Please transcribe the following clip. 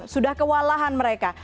sudah kewalahan mereka